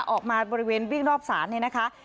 ออกมาบริเวณวิ่งรอบศาลเนี่ยนะคะ